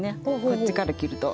こっちから切ると。